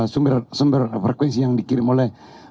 sumber frekuensi yang dikirim oleh